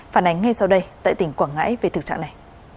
phản ánh ngay sau đây tại tỉnh quảng ngãi về thực trạng này